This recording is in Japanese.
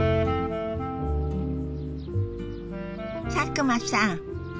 佐久間さん